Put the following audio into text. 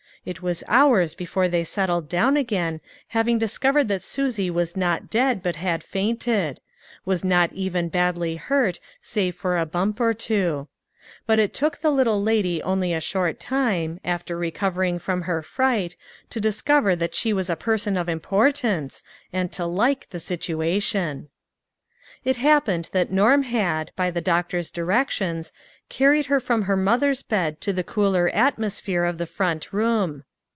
It was hours before they settled down again, having discov ered that Susie was not dead, but had fainted ; was not even badly hurt, save for a bump or two. But it took the little lady only a short time, after recovering from her fright, to discover that she was a person of importance, and to like the situation. 38 LITTLE FISHEES: AND THEIR NETS. It happened that Norm had, by the doctor's directions, carried her from her mother's bed to the cooler atmosphere of the front room.